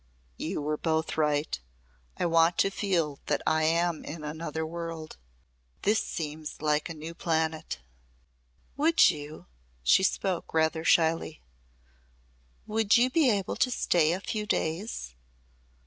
"You were both right. I want to feel that I am in another world. This seems like a new planet." "Would you " she spoke rather shyly, "would you be able to stay a few days?"